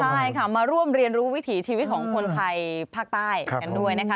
ใช่ค่ะมาร่วมเรียนรู้วิถีชีวิตของคนไทยภาคใต้กันด้วยนะคะ